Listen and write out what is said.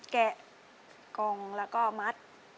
แกะกองแล้วก็มัด